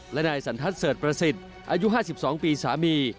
และนายสันทัศน์เสิร์ชประสิทธิ์อายุ๕๒ปีสามี